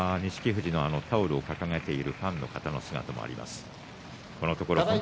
富士のタオルを掲げているファンの姿もあります。